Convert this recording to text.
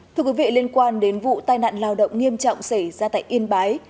thưa quý vị liên quan đến vụ tai nạn lao động nghiêm trọng xảy ra tại yên bái